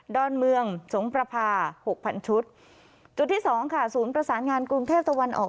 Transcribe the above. อนเมืองสงประพาหกพันชุดจุดที่สองค่ะศูนย์ประสานงานกรุงเทพตะวันออก